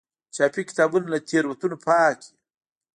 چاپي کتابونه له تېروتنو پاک وي.